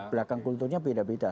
belakang kulturnya beda beda